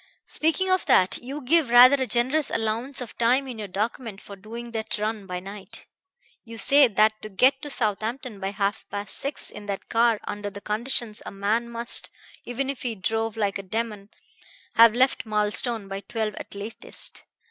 Speaking of that, you give rather a generous allowance of time in your document for doing that run by night. You say that to get to Southampton by half past six in that car under the conditions, a man must, even if he drove like a demon, have left Marlstone by twelve at latest.